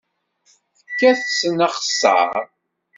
Fket-asen axeṣṣar.